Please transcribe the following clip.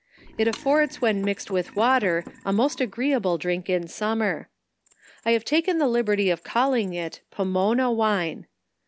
It affords, when mixed with water, a most agreeable drink in sum mer. I have taken the liberty of calling it Pomona Wine.